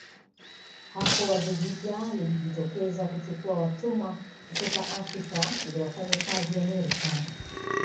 Hapo wazo jipya lilijitokeza kuchukua watumwa kutoka Afrika ili wafanye kazi Amerika